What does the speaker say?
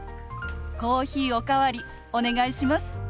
コーヒーお代わりお願いします。